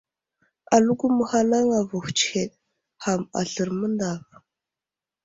Aləko məhalaŋ avohw tsəhed ham aslər məŋdav.